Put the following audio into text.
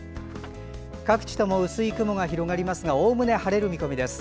各地とも薄い雲が広がりますがおおむね晴れる見込みです。